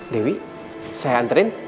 dewi saya anterin